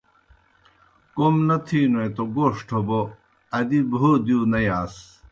کوْم نہ تِھینوئے توْ گوݜٹھہ بو، ادی بھو دِیؤ نہ یاس۔